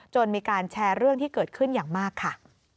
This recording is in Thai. มีการแชร์เรื่องที่เกิดขึ้นอย่างมากค่ะ